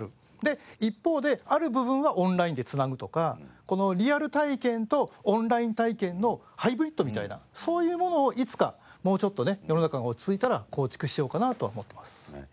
で一方である部分はオンラインで繋ぐとかリアル体験とオンライン体験のハイブリッドみたいなそういうものをいつかもうちょっとね世の中が落ち着いたら構築しようかなとは思ってます。